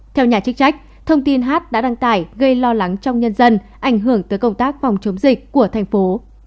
theo nhà chức trách thông tin hát đã đăng tải gây lo lắng trong nhân dân ảnh hưởng tới công tác phòng chống dịch của thành phố